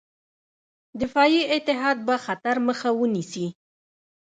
دفاعي اتحاد به خطر مخه ونیسي.